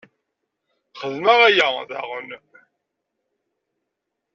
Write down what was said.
Xedmeɣ aya, daɣen.